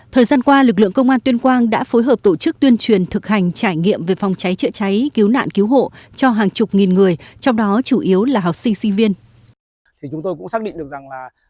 thời gian qua lực lượng công an tuyên quang đã phối hợp tổ chức tuyên truyền thực hành trải nghiệm về phòng cháy chữa cháy cứu nạn cứu hộ cho hàng chục nghìn người trong đó chủ yếu là học sinh sinh viên